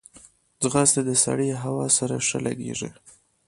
ځغاسته د سړې هوا سره ښه لګیږي